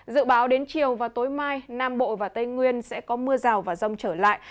dự báo đến chiều và tối mai nam bộ và tây nguyên sẽ có mưa rào và rông trở lại